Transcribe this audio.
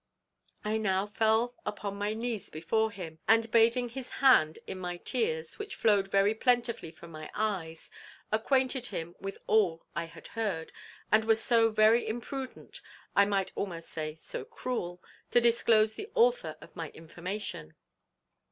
"I now fell upon my knees before him, and bathing his hand in my tears, which flowed very plentifully from my eyes, acquainted him with all I had heard, and was so very imprudent, I might almost say so cruel, to disclose the author of my information.